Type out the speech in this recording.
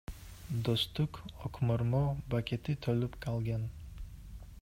Достук өкмөрмө бекети толуп калган.